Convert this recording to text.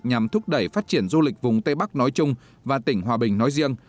nhằm thúc đẩy phát triển du lịch vùng tây bắc nói chung và tỉnh hòa bình nói riêng